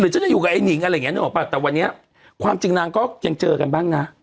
หรือจะอยู่กับไอนิ๋งอะไรอย่างเนี้ยหนูไม่ปะแต่วันเนี้ยความจึงนางก็ยังเจอกันบ้างน่ะ